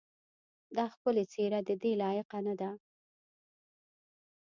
دا ښکلې څېره ددې لایقه نه ده.